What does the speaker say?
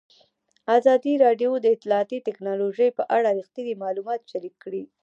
ازادي راډیو د اطلاعاتی تکنالوژي په اړه رښتیني معلومات شریک کړي.